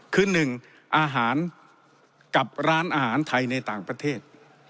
คือ๑อาหารกับร้านอาหารไทยในต่างประเทศ